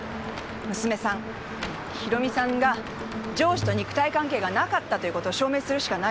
娘さん博美さんが上司と肉体関係がなかったということを証明するしかないわけ。